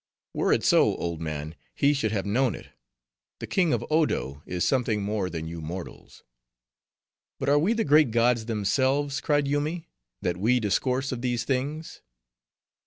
"Were it so, old man, he should have known it. The king of Odo is something more than you mortals." "But are we the great gods themselves," cried Yoomy, "that we discourse of these things."